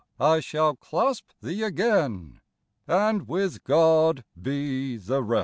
I shall clasp thee again. And with God be the rest."